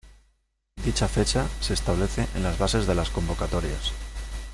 Dicha fecha se establece en las bases de las convocatorias.